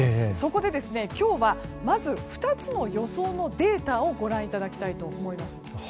そこで、今日は２つの予想のデータをご覧いただきたいと思います。